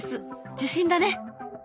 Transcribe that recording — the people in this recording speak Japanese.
受信だね。